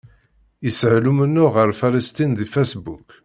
Yeshel umennuɣ ɣef Falesṭin deg Facebook.